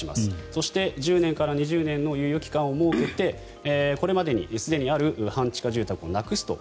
そして１０年から２０年の猶予期間を設けてこれまでにすでにある半地下住宅をなくすと。